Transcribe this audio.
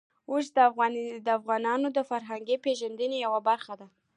اوښ د افغانانو د فرهنګي پیژندنې یوه برخه ده.